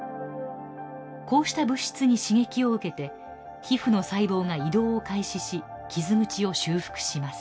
こうした物質に刺激を受けて皮膚の細胞が移動を開始し傷口を修復します。